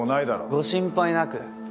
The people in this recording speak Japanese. ご心配なく。